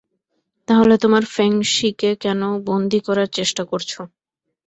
তাহলে তোমরা ফেং-শিকে কেন বন্দী করার চেষ্টা করছো?